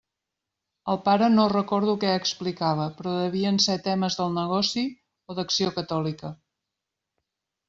El pare no recordo què explicava, però devien ser temes del negoci o d'Acció Catòlica.